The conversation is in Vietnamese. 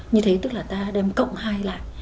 như thế tức là ta đem cộng hai lại